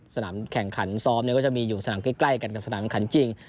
สนามแข่งขันซ้อมก็จะมีอยู่สนามใกล้กันกับสนามขันจริง